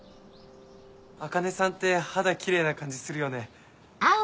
茜さんって肌キレイな感じするよね。